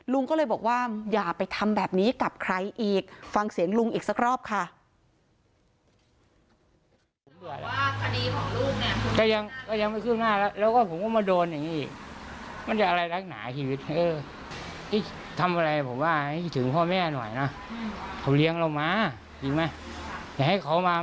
ลุงก็เลยบอกว่าอย่าไปทำแบบนี้กับใครอีกฟังเสียงลุงอีกสักรอบค่ะ